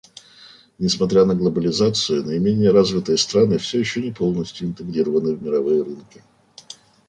Несмотря на глобализацию, наименее развитые страны все еще не полностью интегрированы в мировые рынки.